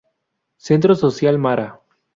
Centro Social Mara.